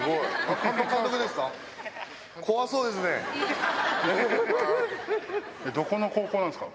監督ですか？